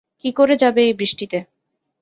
কী করে যাবে এই বৃষ্টিতে?